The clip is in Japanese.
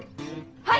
はい！